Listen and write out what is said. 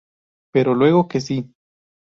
Pero luego que sí.